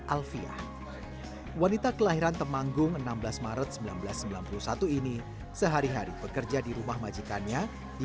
alfiah wanita kelahiran temanggung enam belas maret seribu sembilan ratus sembilan puluh satu ini sehari hari bekerja di rumah majikannya di